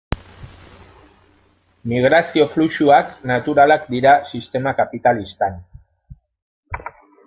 Migrazio fluxuak naturalak dira sistema kapitalistan.